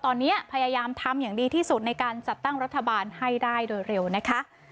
ตอนนี้พยายามทำอย่างดีที่สุดในการจัดตั้งรัฐบาลให้ได้โดยเร็วนะคะ